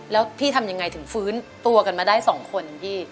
แล้วพี่ทำยังไงถึงฟื้นตัวกันมาได้๒คนพี่